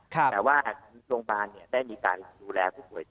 แต่ว่าทางโรงพยาบาลได้มีการดูแลผู้ป่วย